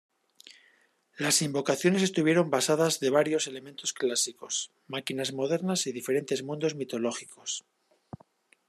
Las invocaciones estuvieron basadas de varios elementos clásicos: máquinas modernas y diferentes mundos mitológicos.